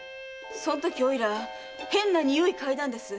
そんときおいら変な臭い嗅いだんです。